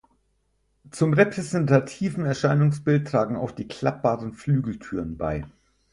Zum repräsentativen Erscheinungsbild tragen auch die klappbaren Flügeltüren bei.